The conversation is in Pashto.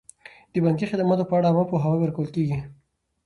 د بانکي خدماتو په اړه عامه پوهاوی ورکول کیږي.